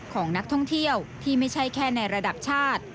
ของนักท่องเที่ยวที่ไม่ใช่แค่ในระดับชาติ